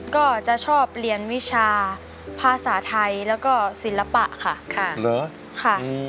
ก็จะชอบเรียนวิชาภาษาไทยแล้วก็ศิลปะค่ะเหรอค่ะ